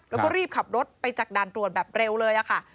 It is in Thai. แล้วก็รีบขับรถไปจากด่านตรวจแบบเร็วเลยค่ะ